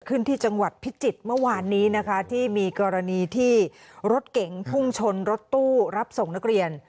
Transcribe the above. ขึ้นที่จังหวัดพิจิตรเมื่อวานนี้นะคะที่มีกรณีที่รถเก๋งพุ่งชนรถตู้รับส่งนักเรียน